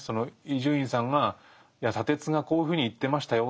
伊集院さんが「いや砂鉄がこういうふうに言ってましたよ。